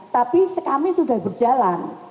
tapi kami sudah berjalan